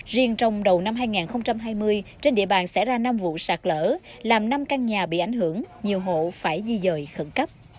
riêng trong đầu năm hai nghìn hai mươi trên địa bàn xảy ra năm vụ sạt lở làm năm căn nhà bị ảnh hưởng nhiều hộ phải di dời khẩn cấp